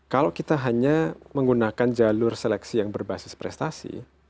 kalau kita hanya menggunakan jalur seleksi yang berbasis prestasi